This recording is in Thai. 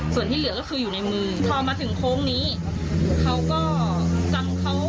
ส่วนที่เหลือก็คืออยู่ในมือพอมาถึงโค้งนี้เขาก็จำเขา